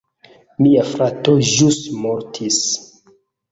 Mia frato ĵus mortis!